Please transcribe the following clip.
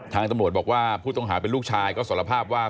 ทางตำรวจบอกว่าผู้ต้องหาเป็นลูกชายก็สารภาพว่า